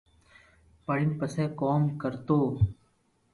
پڙين پسو ڪوم ڪرتو